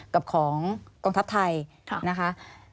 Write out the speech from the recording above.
กับของกองทัพไทยนะคะ